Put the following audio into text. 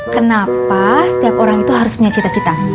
kenapa setiap orang itu harus punya cita cita